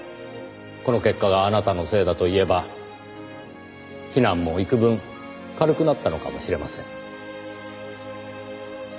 この結果があなたのせいだと言えば非難もいくぶん軽くなったのかもしれません。